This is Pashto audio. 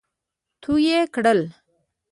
تو يې کړل.